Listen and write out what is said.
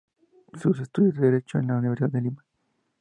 Hizo sus estudios de Derecho en la Universidad de Lima.